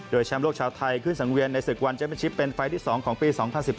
โดยแชมป์โลกชาวไทยขึ้นสังเวียนในศึกวันเมชิปเป็นไฟล์ที่๒ของปี๒๐๑๘